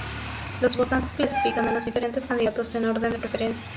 Los votantes clasifican a los diferentes candidatos en orden de preferencia.